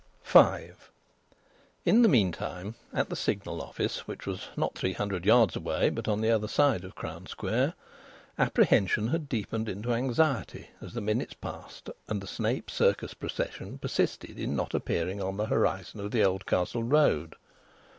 V In the meantime at the Signal office (which was not three hundred yards away, but on the other side of Crown Square) apprehension had deepened into anxiety as the minutes passed and the Snape Circus procession persisted in not appearing on the horizon of the Oldcastle Road.